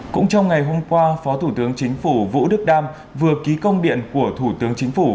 cũng trong ngày hôm qua phó thủ tướng chính phủ vũ đức đam vừa ký công điện của thủ tướng chính phủ